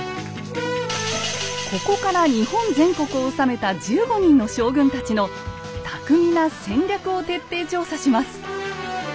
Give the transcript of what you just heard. ここから日本全国を治めた１５人の将軍たちの巧みな戦略を徹底調査します。